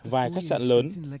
vài khách sạn lớn